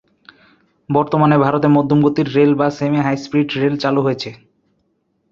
বর্তমানে ভারতে মধ্যম গতির রেল বা "সেমি হাই-স্পিড রেল" চালু হয়েছে।